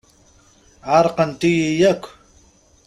Ɛerqent-iyi akk.